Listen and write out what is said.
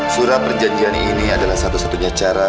surat perjanjian ini adalah satu satunya cara